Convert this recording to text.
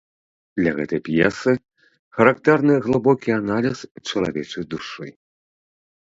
Для гэтай п'есы характэрны глыбокі аналіз чалавечай душы.